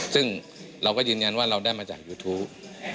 ซึ่งเราก็ยืนยันว่าเราได้มาจากยูทูป